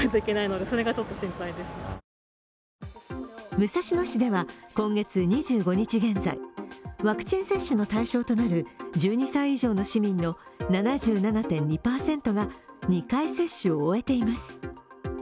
武蔵野市では今月２５日現在、ワクチン接種の対象となる１２歳以上の市民の７７．２％が２回接種を終えています。